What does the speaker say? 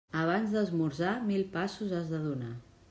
Abans d'esmorzar, mil passos has de donar.